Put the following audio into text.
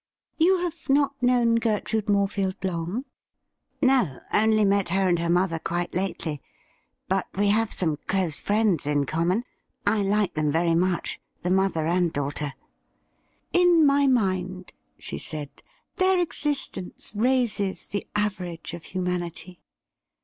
' You have not known Gertrude Morefield long ?'' No ; only met her and her mother quite lately. But we have some close friends in common. I like them very much — the mother and daughter.' ' In my mind,' she said, ' their existence raises the average of humanity.